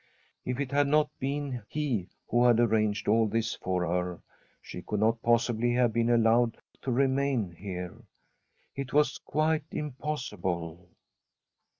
If it had not been he who had arranged all this for her, she could not possibly have been allowed to remain here ; it was quite impossible.